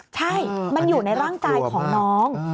ใช่มันอยู่ในร่างกายของน้อง